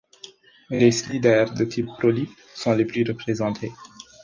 Les cnidaires de type polype sont les plus représentés.